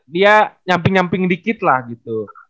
dia nyamping nyamping dikit lah gitu